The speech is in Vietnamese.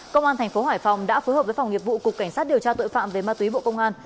công an thành phố hải phòng đã phối hợp với phòng nghiệp vụ cục cảnh sát điều tra tội phạm về ma túy bộ công an